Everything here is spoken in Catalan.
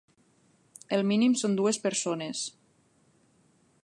El mínim són dues persones.